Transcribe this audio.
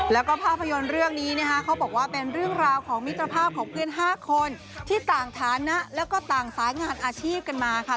แล้วก็ภาพยนตร์เรื่องนี้นะคะเขาบอกว่าเป็นเรื่องราวของมิตรภาพของเพื่อน๕คนที่ต่างฐานะแล้วก็ต่างสายงานอาชีพกันมาค่ะ